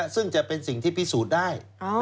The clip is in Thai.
ซึ่งจะเป็นสิ่งที่พิสูจน์ได้